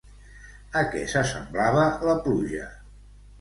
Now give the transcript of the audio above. A què s'assemblava la pluja?